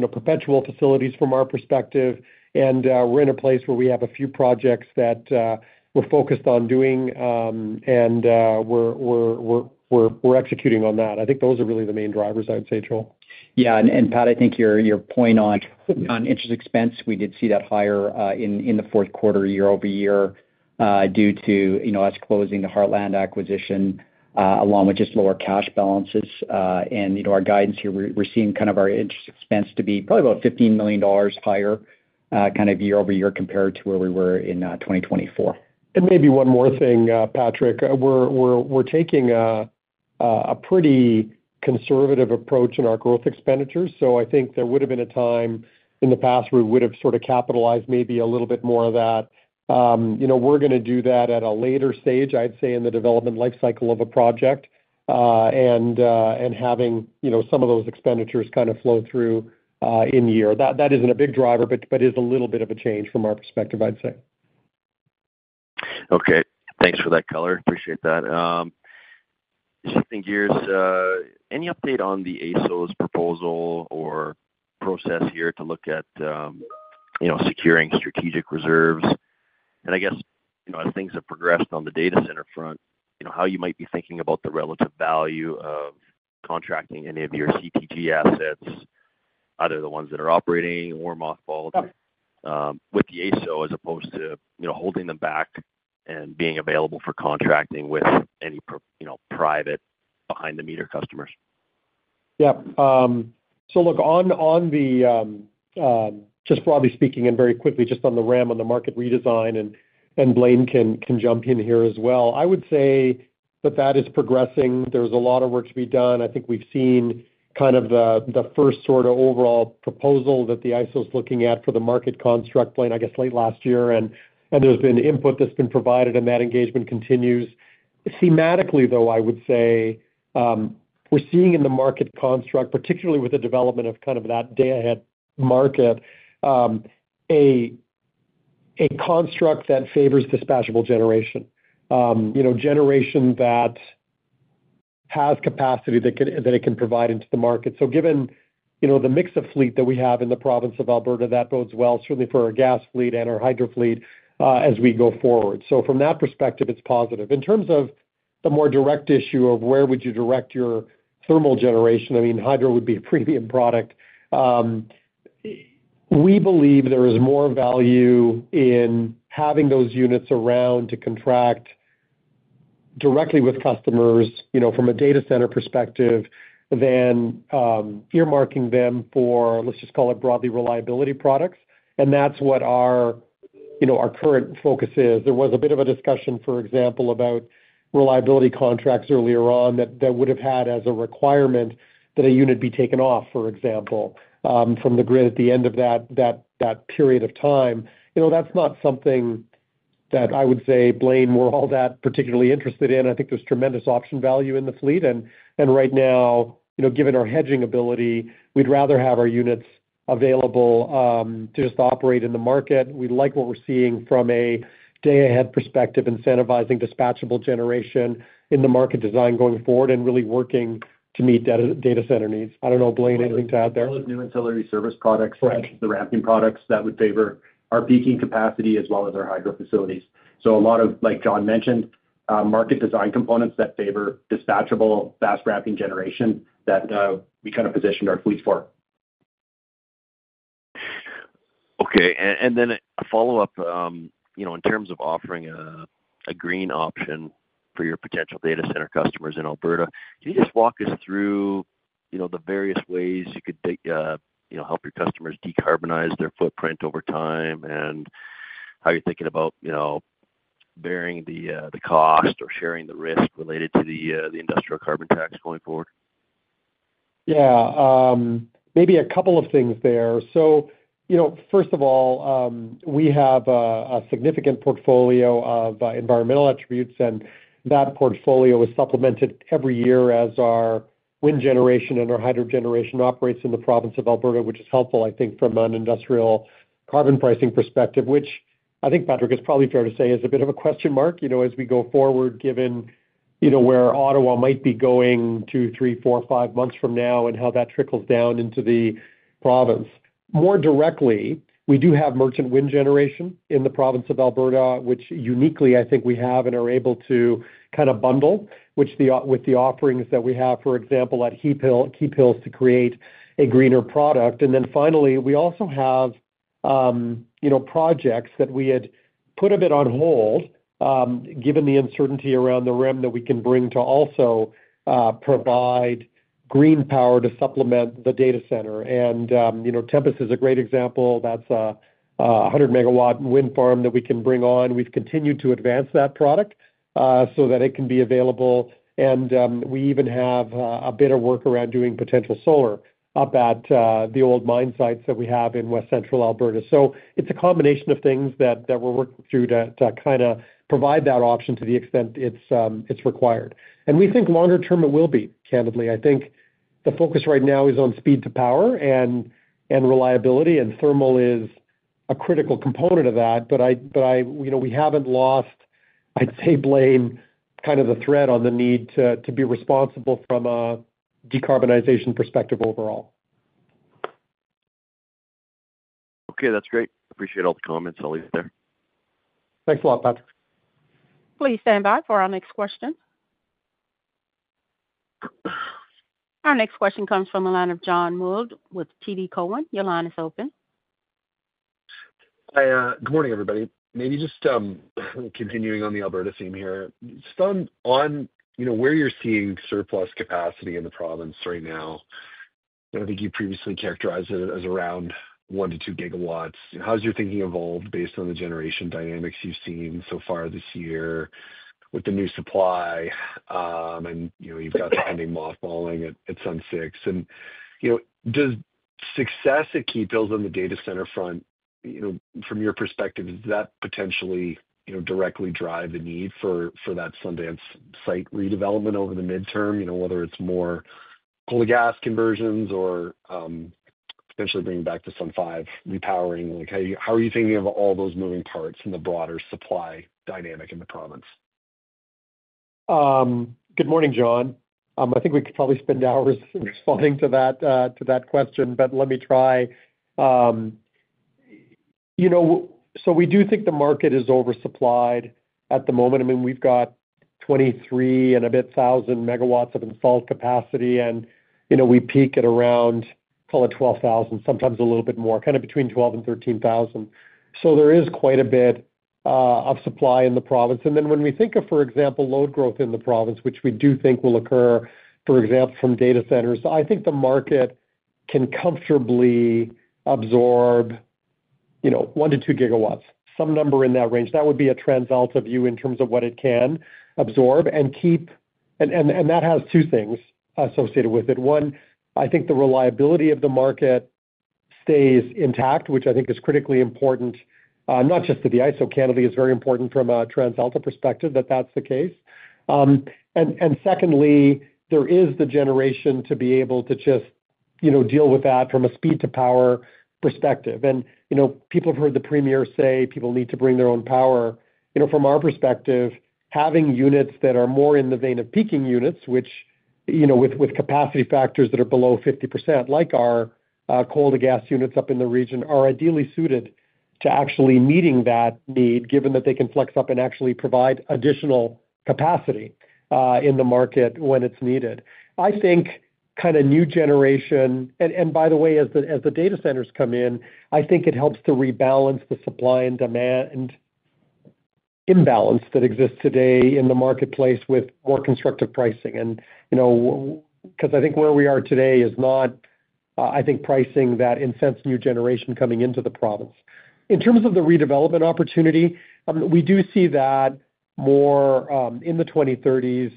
perpetual facilities from our perspective, and we're in a place where we have a few projects that we're focused on doing, and we're executing on that. I think those are really the main drivers, I would say, Joel. Yeah. And Patrick, I think your point on interest expense, we did see that higher in the Q4, year-over-year, due to us closing the Heartland acquisition, along with just lower cash balances. And our guidance here, we're seeing kind of our interest expense to be probably about 15 million dollars higher kind of year-over-year compared to where we were in 2024. Maybe one more thing, Patrick. We're taking a pretty conservative approach in our growth expenditures. So I think there would have been a time in the past where we would have sort of capitalized maybe a little bit more of that. We're going to do that at a later stage, I'd say, in the development life cycle of a project and having some of those expenditures kind of flow through in year. That isn't a big driver, but it is a little bit of a change from our perspective, I'd say. Okay. Thanks for that color. Appreciate that. Shifting gears, any update on the AESO's proposal or process here to look at securing strategic reserves? And I guess as things have progressed on the data center front, how you might be thinking about the relative value of contracting any of your CTG assets, either the ones that are operating or mothballed with the AESO, as opposed to holding them back and being available for contracting with any private behind-the-meter customers? Yeah. So, look, on just broadly speaking and very quickly, just on the REM on the market redesign, and Blain can jump in here as well. I would say that that is progressing. There's a lot of work to be done. I think we've seen kind of the first sort of overall proposal that the ISO is looking at for the market construct, Blain, I guess, late last year. And there's been input that's been provided, and that engagement continues. Thematically, though, I would say we're seeing in the market construct, particularly with the development of kind of that day-ahead market, a construct that favors dispatchable generation, generation that has capacity that it can provide into the market. So given the mix of fleet that we have in the province of Alberta, that bodes well, certainly for our gas fleet and our hydro fleet as we go forward. So from that perspective, it's positive. In terms of the more direct issue of where would you direct your thermal generation, I mean, hydro would be a premium product. We believe there is more value in having those units around to contract directly with customers from a data center perspective than earmarking them for, let's just call it, broadly reliability products. And that's what our current focus is. There was a bit of a discussion, for example, about reliability contracts earlier on that would have had as a requirement that a unit be taken off, for example, from the grid at the end of that period of time. That's not something that I would say Blain were all that particularly interested in. I think there's tremendous option value in the fleet. And right now, given our hedging ability, we'd rather have our units available to just operate in the market. We like what we're seeing from a day-ahead perspective, incentivizing dispatchable generation in the market design going forward and really working to meet data center needs. I don't know, Blain, anything to add there? New ancillary service products, the ramping products that would favor our peaking capacity as well as our hydro facilities. So a lot of, like John mentioned, market design components that favor dispatchable fast ramping generation that we kind of positioned our fleets for. Okay. And then a follow-up in terms of offering a green option for your potential data center customers in Alberta, can you just walk us through the various ways you could help your customers decarbonize their footprint over time and how you're thinking about bearing the cost or sharing the risk related to the industrial carbon tax going forward? Yeah. Maybe a couple of things there. So first of all, we have a significant portfolio of environmental attributes, and that portfolio is supplemented every year as our wind generation and our hydro generation operates in the province of Alberta, which is helpful, I think, from an industrial carbon pricing perspective, which I think, Patrick, is probably fair to say is a bit of a question mark as we go forward, given where Ottawa might be going two, three, four, five months from now and how that trickles down into the province. More directly, we do have merchant wind generation in the province of Alberta, which uniquely, I think, we have and are able to kind of bundle with the offerings that we have, for example, at Keephills to create a greener product. And then finally, we also have projects that we had put a bit on hold, given the uncertainty around the REM that we can bring to also provide green power to supplement the data center. And Tempest is a great example. That's a 100 MW wind farm that we can bring on. We've continued to advance that product so that it can be available. And we even have a bit of work around doing potential solar up at the old mine sites that we have in West Central Alberta. So, it's a combination of things that we're working through to kind of provide that option to the extent it's required. And we think longer term it will be, candidly. I think the focus right now is on speed to power and reliability, and thermal is a critical component of that. But we haven't lost, I'd say, Blain, kind of the thread on the need to be responsible from a decarbonization perspective overall. Okay. That's great. Appreciate all the comments, at least there. Thanks a lot, Patrick. Please stand by for our next question. Our next question comes from the line of John Mould with TD Cowen. Your line is open. Hi. Good morning, everybody. Maybe just continuing on the Alberta theme here. Just on where you're seeing surplus capacity in the province right now, I think you previously characterized it as around 1 GW-2 GW. How's your thinking evolved based on the generation dynamics you've seen so far this year with the new supply? And you've got the pending mothballing at Sun 6. And does success at Keephills on the data center front, from your perspective, does that potentially directly drive the need for that Sundance site redevelopment over the midterm, whether it's more coal-to-gas conversions or potentially bringing back the Sun 5 repowering? How are you thinking of all those moving parts in the broader supply dynamic in the province? Good morning, John. I think we could probably spend hours responding to that question but let me try. We do think the market is oversupplied at the moment. I mean, we've got 23 and a bit thousand megawatts of installed capacity, and we peak at around, call it 12,000 MW, sometimes a little bit more, kind of between 12,000 MW and 13,000 MW. There is quite a bit of supply in the province. Then when we think of, for example, load growth in the province, which we do think will occur, for example, from data centers, I think the market can comfortably absorb 1 GW-2 GW, some number in that range. That would be a TransAlta view in terms of what it can absorb and keep. That has two things associated with it. One, I think the reliability of the market stays intact, which I think is critically important, not just to the ISO. Candidly, it's very important from a TransAlta perspective that that's the case. And secondly, there is the generation to be able to just deal with that from a speed-to-power perspective. And people have heard the premier say people need to bring their own power. From our perspective, having units that are more in the vein of peaking units, which with capacity factors that are below 50%, like our coal-to-gas units up in the region, are ideally suited to actually meeting that need, given that they can flex up and actually provide additional capacity in the market when it's needed. I think kind of new generation and by the way, as the data centers come in, I think it helps to rebalance the supply and demand imbalance that exists today in the marketplace with more constructive pricing, and because I think where we are today is not, I think, pricing that incents new generation coming into the province. In terms of the redevelopment opportunity, we do see that more in the 2030s.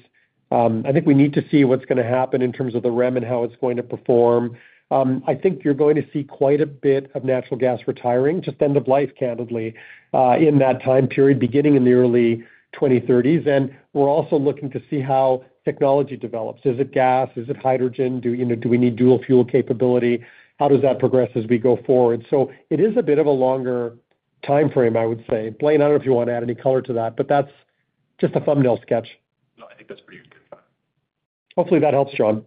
I think we need to see what's going to happen in terms of the REM and how it's going to perform. I think you're going to see quite a bit of natural gas retiring, just end of life, candidly, in that time period beginning in the early 2030s, and we're also looking to see how technology develops. Is it gas? Is it hydrogen? Do we need dual-fuel capability? How does that progress as we go forward? So it is a bit of a longer time frame, I would say. Blain, I don't know if you want to add any color to that, but that's just a thumbnail sketch. No, I think that's pretty good. Hopefully, that helps, John.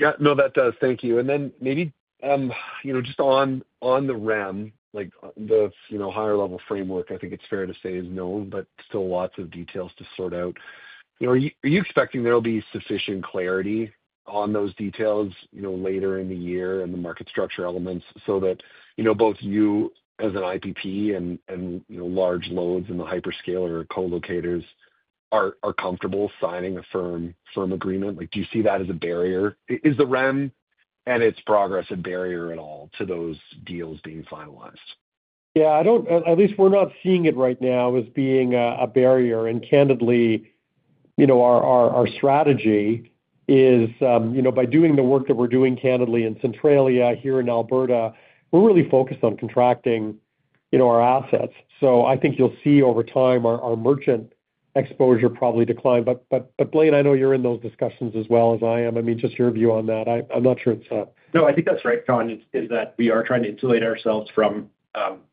Yeah. No, that does. Thank you. And then maybe just on the REM, the higher-level framework, I think it's fair to say is known, but still lots of details to sort out. Are you expecting there will be sufficient clarity on those details later in the year and the market structure elements so that both you as an IPP and large loads in the hyperscaler or co-locators are comfortable signing a firm agreement? Do you see that as a barrier? Is the REM and its progress a barrier at all to those deals being finalized? Yeah. At least we're not seeing it right now as being a barrier. And candidly, our strategy is by doing the work that we're doing, candidly, in Centralia here in Alberta, we're really focused on contracting our assets. So I think you'll see over time our merchant exposure probably decline. But Blain, I know you're in those discussions as well as I am. I mean, just your view on that. I'm not sure it's. No, I think that's right, John. That is that we are trying to insulate ourselves from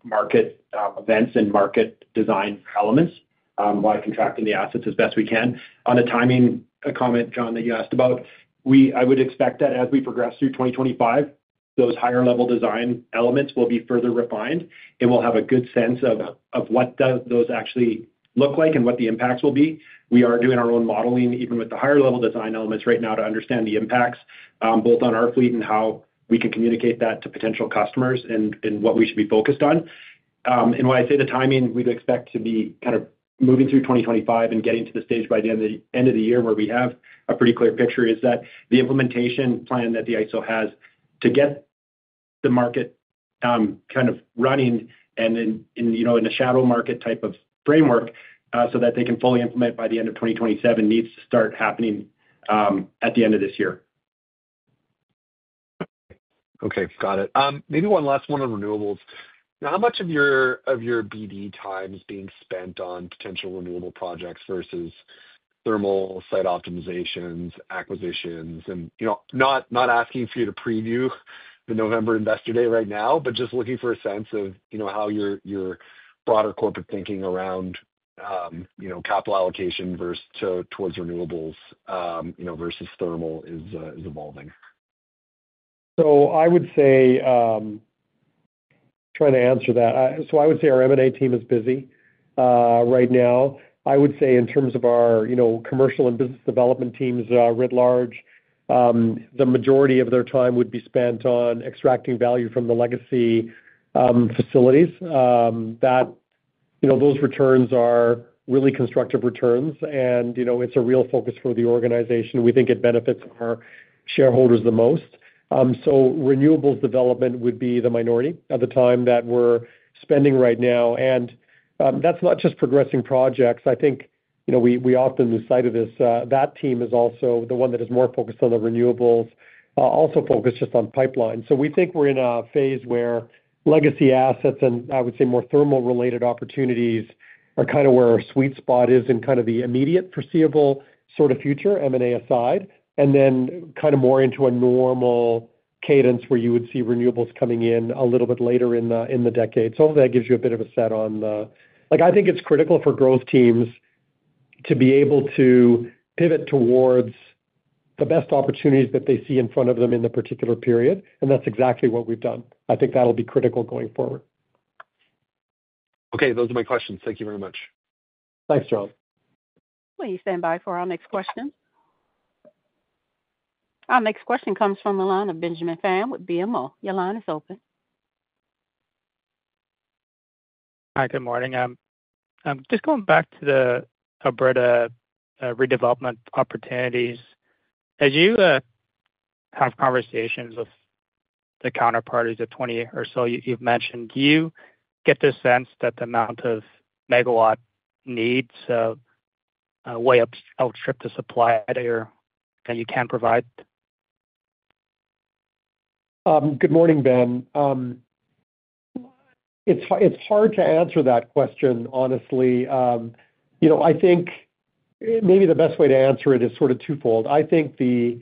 market events and market design elements by contracting the assets as best we can. On the timing comment, John, that you asked about, I would expect that as we progress through 2025, those higher-level design elements will be further refined, and we'll have a good sense of what those actually look like and what the impacts will be. We are doing our own modeling, even with the higher-level design elements right now, to understand the impacts both on our fleet and how we can communicate that to potential customers and what we should be focused on. When I say the timing, we'd expect to be kind of moving through 2025 and getting to the stage by the end of the year where we have a pretty clear picture, is that the implementation plan that the ISO has to get the market kind of running and in a shadow market type of framework so that they can fully implement by the end of 2027 needs to start happening at the end of this year. Okay. Got it. Maybe one last one on renewables. How much of your BD time is being spent on potential renewable projects versus thermal site optimizations, acquisitions? And not asking for you to preview the November investor day right now, but just looking for a sense of how your broader corporate thinking around capital allocation towards renewables versus thermal is evolving. So I would say trying to answer that. So I would say our M&A team is busy right now. I would say in terms of our commercial and business development teams writ large, the majority of their time would be spent on extracting value from the legacy facilities. Those returns are really constructive returns, and it's a real focus for the organization. We think it benefits our shareholders the most. So renewables development would be the minority of the time that we're spending right now. And that's not just progressing projects. I think we often lose sight of this. That team is also the one that is more focused on the renewables, also focused just on pipeline. So we think we're in a phase where legacy assets and, I would say, more thermal-related opportunities are kind of where our sweet spot is in kind of the immediate foreseeable sort of future, M&A aside, and then kind of more into a normal cadence where you would see renewables coming in a little bit later in the decade. So hopefully, that gives you a bit of a sense of the. I think it's critical for growth teams to be able to pivot towards the best opportunities that they see in front of them in the particular period, and that's exactly what we've done. I think that'll be critical going forward. Okay. Those are my questions. Thank you very much. Thanks, John. Please stand by for our next question. Our next question comes from Benjamin Pham with BMO. Your line is open. Hi. Good morning. Just going back to the Alberta redevelopment opportunities, as you have conversations with the counterparties of 20 or so you've mentioned, do you get the sense that the amount of megawatt needs way outstrip the supply that you can provide? Good morning, Benjamin. It's hard to answer that question, honestly. I think maybe the best way to answer it is sort of twofold. I think the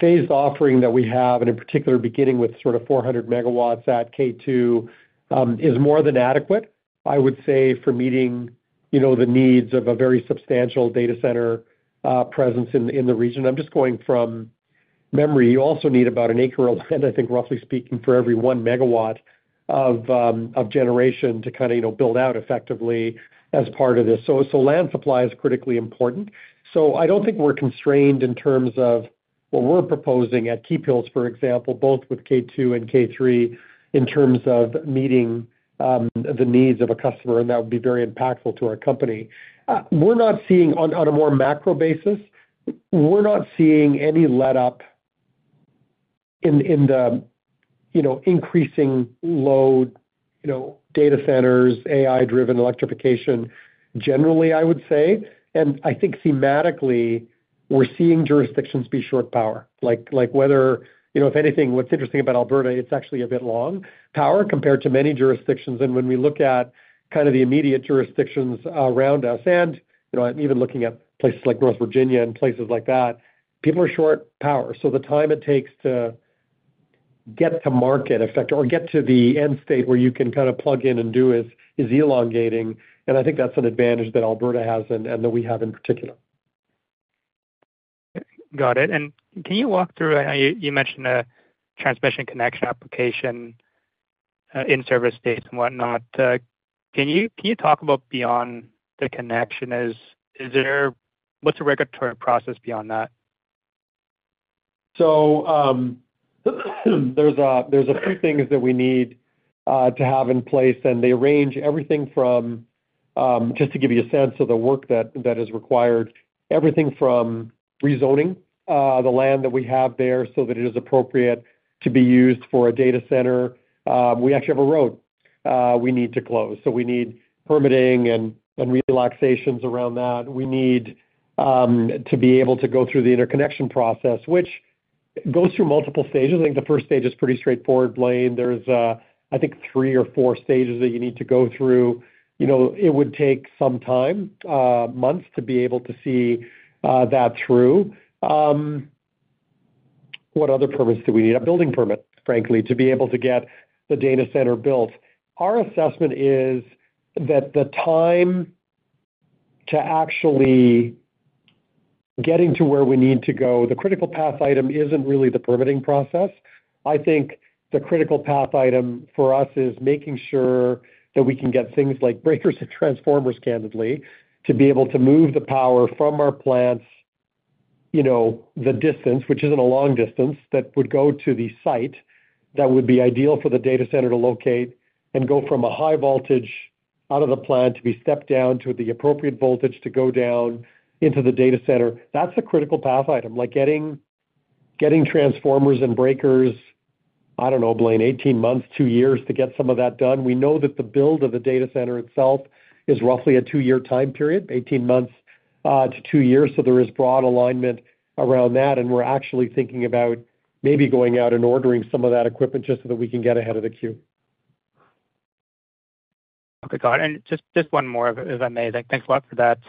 phased offering that we have, and in particular, beginning with sort of 400 MW at K2, is more than adequate, I would say, for meeting the needs of a very substantial data center presence in the region. I'm just going from memory. You also need about an acre of land, I think, roughly speaking, for every 1 MW of generation to kind of build out effectively as part of this. So land supply is critically important. So I don't think we're constrained in terms of what we're proposing at Keephills, for example, both with K2 and K3, in terms of meeting the needs of a customer, and that would be very impactful to our company. On a more macro basis, we're not seeing any let-up in the increasing load, data centers, AI-driven electrification, generally, I would say. And I think thematically, we're seeing jurisdictions be short power. What, if anything, what's interesting about Alberta, it's actually a bit long power compared to many jurisdictions. And when we look at kind of the immediate jurisdictions around us, and even looking at places like North Virginia and places like that, people are short power. So the time it takes to get to market effect or get to the end state where you can kind of plug in and do is elongating. And I think that's an advantage that Alberta has and that we have in particular. Got it. And can you walk through what you mentioned, a transmission connection application in service space and whatnot? Can you talk about beyond the connection? What's the regulatory process beyond that? So there's a few things that we need to have in place. And they range everything from just to give you a sense of the work that is required, everything from rezoning the land that we have there so that it is appropriate to be used for a data center. We actually have a road we need to close. So we need permitting and relaxations around that. We need to be able to go through the interconnection process, which goes through multiple stages. I think the first stage is pretty straightforward, Blain. There's, I think, three or four stages that you need to go through. It would take some time, months, to be able to see that through. What other permits do we need? A building permit, frankly, to be able to get the data center built. Our assessment is that the time to actually getting to where we need to go, the critical path item isn't really the permitting process. I think the critical path item for us is making sure that we can get things like breakers and transformers, candidly, to be able to move the power from our plants the distance, which isn't a long distance, that would go to the site that would be ideal for the data center to locate and go from a high voltage out of the plant to be stepped down to the appropriate voltage to go down into the data center. That's a critical path item. Getting transformers and breakers, I don't know, Blain, 18 months, two years to get some of that done. We know that the build of the data center itself is roughly a two-year time period, 18 months to two years. So there is broad alignment around that. And we're actually thinking about maybe going out and ordering some of that equipment just so that we can get ahead of the queue. Okay. Got it. And just one more, if I may. Thanks a lot for that.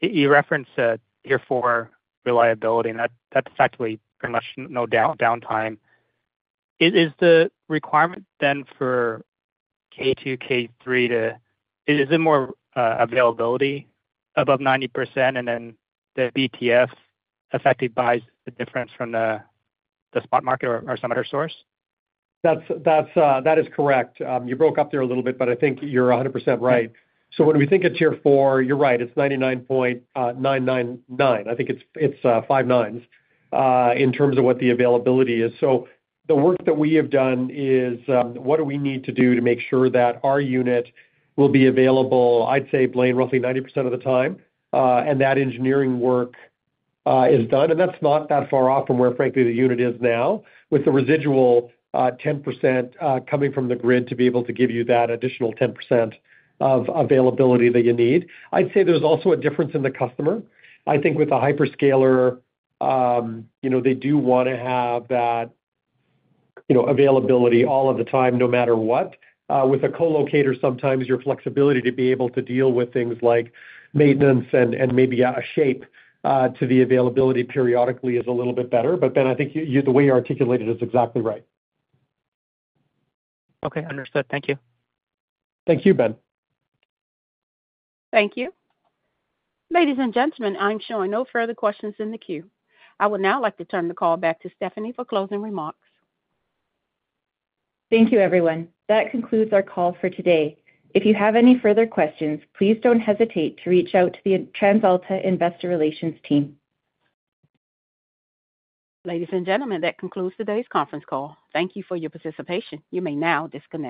You referenced here for reliability, and that's actually pretty much no downtime. Is the requirement then for K2, K3, is it more availability above 90%? And then the BTM effective buys the difference from the spot market or some other source? That is correct. You broke up there a little bit, but I think you're 100% right. So when we think of Tier 4, you're right. It's 99.999%. I think it's five nines in terms of what the availability is. So the work that we have done is what do we need to do to make sure that our unit will be available, I'd say, Blain, roughly 90% of the time, and that engineering work is done. And that's not that far off from where, frankly, the unit is now, with the residual 10% coming from the grid to be able to give you that additional 10% of availability that you need. I'd say there's also a difference in the customer. I think with a hyperscaler, they do want to have that availability all of the time, no matter what. With a co-locator, sometimes your flexibility to be able to deal with things like maintenance and maybe a shape to the availability periodically is a little bit better. But Ben, I think the way you articulated it is exactly right. Okay. Understood. Thank you. Thank you, Ben. Thank you. Ladies and gentlemen, I'm showing no further questions in the queue. I would now like to turn the call back to Stephanie for closing remarks. Thank you, everyone. That concludes our call for today. If you have any further questions, please don't hesitate to reach out to the TransAlta Investor Relations team. Ladies and gentlemen, that concludes today's conference call. Thank you for your participation. You may now disconnect.